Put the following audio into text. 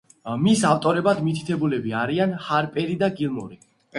მის ავტორებად მითითებულები არიან ჰარპერი და გილმორი.